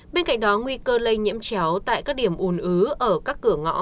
bên cạnh đó nguy cơ lây nhiễm chéo tại các điểm ùn ứ ở các cửa ngõ